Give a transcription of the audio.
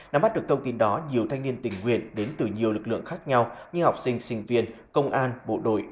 năm bắt được thông tin đó nhiều thanh niên tình nguyện đến từ nhiều lực lượng khác nhau như học sinh sinh viên công an bộ đội